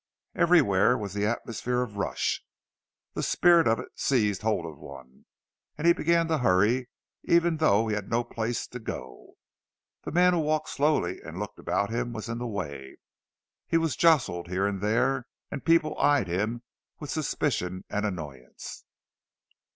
Everywhere was the atmosphere of rush; the spirit of it seized hold of one, and he began to hurry, even though he had no place to go. The man who walked slowly and looked about him was in the way—he was jostled here and there, and people eyed him with suspicion and annoyance.